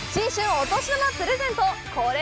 お年玉プレゼントコレ！